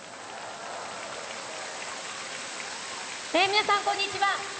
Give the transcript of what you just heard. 皆さんこんにちは。